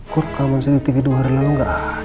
kok kamarnya di tv dua hari lalu gak ada